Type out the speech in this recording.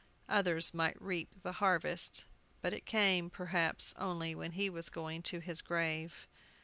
Others might reap the harvest, but it came, perhaps, only when he was going to his grave.